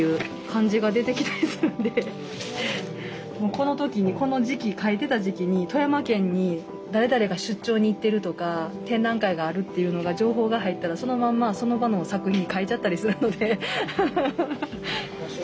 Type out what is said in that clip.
この時にこの時期描いてた時期に富山県に誰々が出張に行ってるとか展覧会があるっていうのが情報が入ったらそのまんまその場の作品に描いちゃったりするので。